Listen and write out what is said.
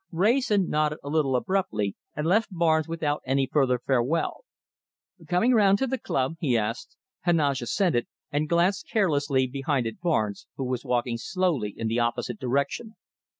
Wrayson nodded a little abruptly and left Barnes without any further farewell. "Coming round to the club?" he asked. Heneage assented, and glanced carelessly behind at Barnes, who was walking slowly in the opposite direction.